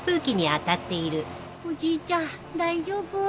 おじいちゃん大丈夫？